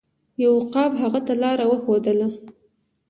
یو عقاب هغه ته لاره وښودله.